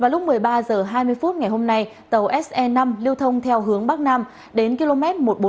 lúc một mươi ba h hai mươi phút ngày hôm nay tàu se năm liêu thông theo hướng bắc nam đến km một nghìn bốn trăm hai mươi chín chín trăm linh